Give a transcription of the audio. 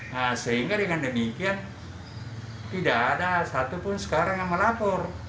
nah sehingga dengan demikian tidak ada satupun sekarang yang melapor